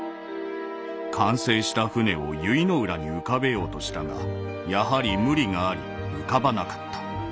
「完成した船を由比浦に浮かべようとしたがやはり無理があり浮かばなかった。